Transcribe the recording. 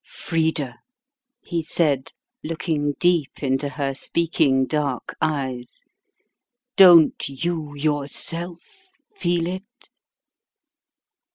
"Frida," he said, looking deep into her speaking dark eyes, "don't you yourself feel it?"